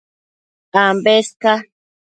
Ambes ca